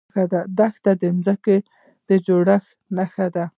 دښتې د ځمکې د جوړښت نښه ده.